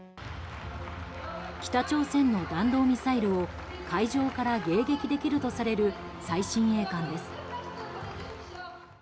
北朝鮮の弾道ミサイルを海上から迎撃できるとされる最新鋭艦です。